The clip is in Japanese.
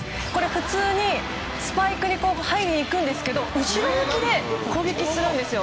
普通に、スパイクに入りに行くんですけど後ろ向きで攻撃するんですよ。